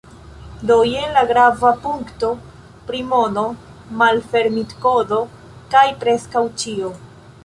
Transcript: Do, jen la grava punkto pri mono, malfermitkodo kaj preskaŭ ĉio